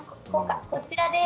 こちらです。